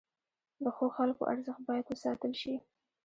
د ښو خلکو ارزښت باید وساتل شي.